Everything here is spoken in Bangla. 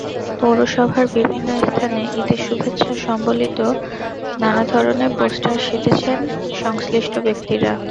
পৌরসভার বিভিন্ন স্থানে ঈদের শুভেচ্ছা সংবলিত নানা ধরনের পোস্টার সেঁটেছেন সংশ্লিষ্ট ব্যক্তিরা।